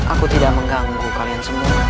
aku tidak mengganggu kalian semua